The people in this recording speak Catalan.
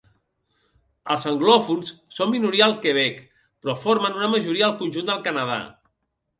Els anglòfons són minoria al Quebec, però formen una majoria al conjunt del Canadà.